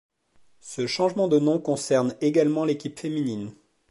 Ce changement de nom concerne également l'équipe féminine.